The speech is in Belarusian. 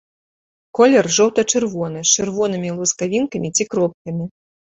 Колер жоўта-чырвоны, з чырвонымі лускавінкамі ці кропкамі.